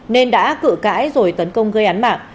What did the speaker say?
nên đã cự cãi rồi tấn công gây án mạng